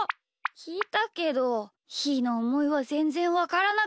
きいたけどひーのおもいはぜんぜんわからなかった。